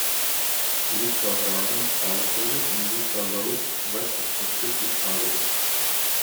Lisgar Gardens are located in Lisgar Road, west of the Pacific Highway.